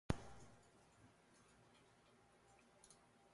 Tests are often administered in the Testing Center instead of during class time.